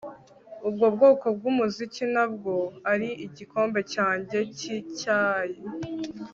Ubu bwoko bwumuziki ntabwo ari igikombe cyanjye cyicyayi